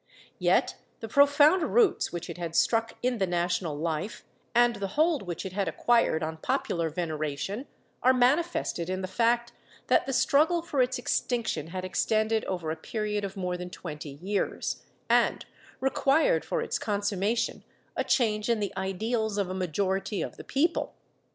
Yet the profound roots which it had struck in the national life, and the hold which it had acquired on popular veneration, are manifested in the fact that the struggle for its extinction had extended over a period of more than twenty years, and required for its consummation a change in the ideals of a majority of the people.